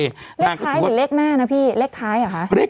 เลขท้ายหรือเลขหน้านะพี่เลขท้ายเหรอคะ